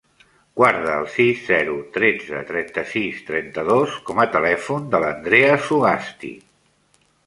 Guarda el sis, zero, tretze, trenta-sis, trenta-dos com a telèfon de l'Andrea Zugasti.